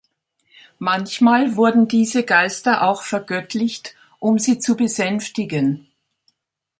Manchmal wurden diese Geister auch vergöttlicht, um sie zu besänftigen.